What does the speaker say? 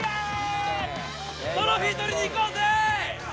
トロフィー取りにいこうぜ！